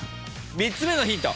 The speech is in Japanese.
３つ目のヒント